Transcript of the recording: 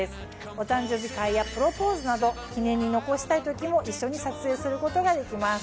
お誕生日会やプロポーズなど記念に残したい時も一緒に撮影することができます。